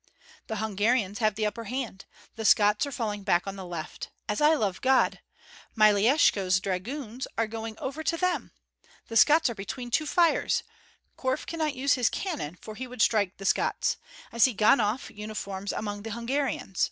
"The Hungarians have the upper hand. The Scots are falling back on the left. As I love God! Myeleshko's dragoons are going over to them! The Scots are between two fires. Korf cannot use his cannon, for he would strike the Scots. I see Ganhoff uniforms among the Hungarians.